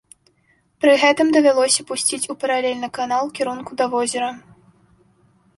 Пры гэтым давялося пусціць у паралельны канал у кірунку да возера.